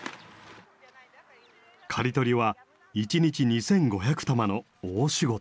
刈り取りは一日２，５００玉の大仕事。